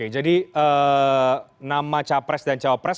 jadi nama capres dan caopres